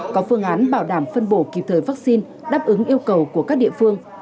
có phương án bảo đảm phân bổ kịp thời vaccine đáp ứng yêu cầu của các địa phương